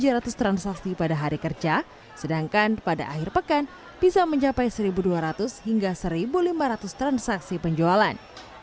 jadul yang sudah terlupakan pada hari kerja sedangkan pada akhir pekan bisa mencapai seribu dua ratus hingga seribu lima ratus transaksi penjualan